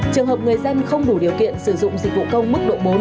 trường hợp người dân không đủ điều kiện sử dụng dịch vụ công mức độ bốn